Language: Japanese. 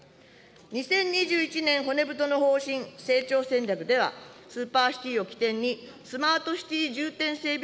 ２０２１年骨太の方針・成長戦略では、スーパーシティを起点にスマートシティ重点整備